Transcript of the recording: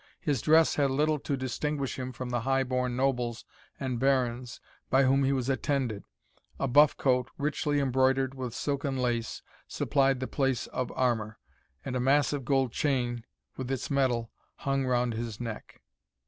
His dress had little to distinguish him from the high born nobles and barons by whom he was attended. A buff coat, richly embroidered with silken lace, supplied the place of armour; and a massive gold chain, with its medal, hung round his neck.